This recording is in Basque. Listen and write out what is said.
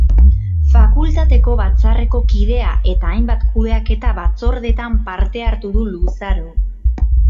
Fakultateko Batzarreko kidea eta hainbat kudeaketa-batzordetan parte hartu du luzaro.